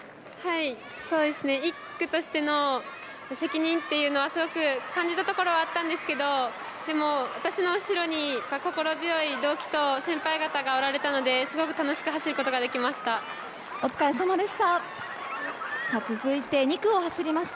そうですね、１区としての責任というのはすごく感じたところはあったんですけどでも私の後ろに心強い同期と先輩方がおられたので、すごく楽しくお疲れさまでした。